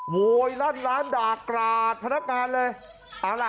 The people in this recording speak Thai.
โว้ยร้านด่ากราดพนักงานเลย